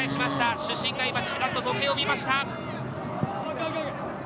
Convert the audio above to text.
主審が今、チラっと時計を見ました。